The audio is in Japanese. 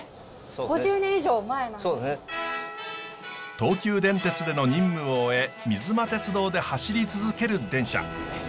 東急電鉄での任務を終え水間鉄道で走り続ける電車。